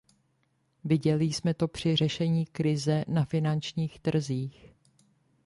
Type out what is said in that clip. Viděli jsme to při řešení krize na finančních trzích.